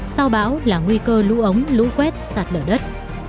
sau bão là nguy cơ lũ ống lũ quét sạt lở đất